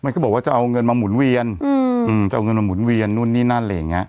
มันก็บอกว่าจะเอาเงินมาหมุนเวียนจะเอาเงินมาหมุนเวียนนู่นนี่นั่นอะไรอย่างเงี้